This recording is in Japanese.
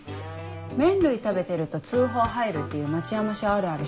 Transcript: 麺類食べてると通報入るっていう「町山署あるある」